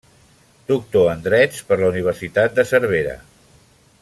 Doctor en drets per la Universitat de Cervera.